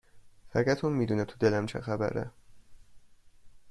فقط اون میدونه تو دلم چه خبره